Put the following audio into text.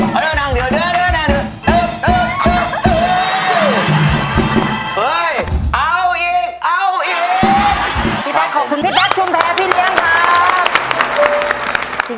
พี่แต๊กขอบคุณพี่แต๊กชุมแพ้พี่เลี้ยงครับ